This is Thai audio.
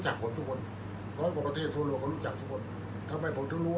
อันไหนที่มันไม่จริงแล้วอาจารย์อยากพูด